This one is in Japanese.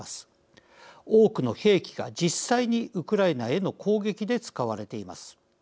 多くの兵器が実際にウクライナへの攻撃で使われています。